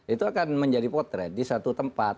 itu akan menjadi potret di satu tempat